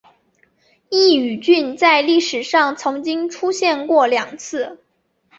刈羽郡在历史上曾经出现过两次。